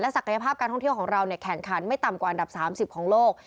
ศักยภาพการท่องเที่ยวของเราแข่งขันไม่ต่ำกว่าอันดับ๓๐ของโลก